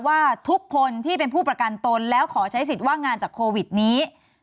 ว่าทุกคนที่เป็นผู้ประกันตนแล้วขอใช้สิทธิ์ว่างงานจากโควิดนี้